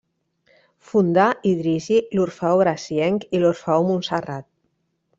Fundà i dirigí l'Orfeó Gracienc i l'Orfeó Montserrat.